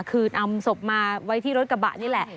คือนำศพมาไว้ที่รถกระบะนี่แหละ